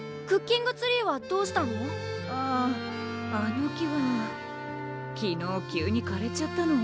ああの木は昨日急にかれちゃったの。